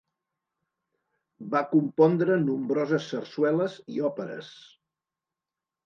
Va compondre nombroses sarsueles i òperes.